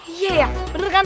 iya ya bener kan